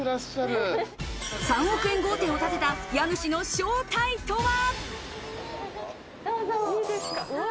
３億円豪邸を建てた家主の正体とは？